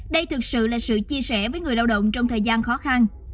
đây thực sự là sự chia sẻ với người lao động trong thời gian khó khăn